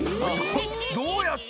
どうやって？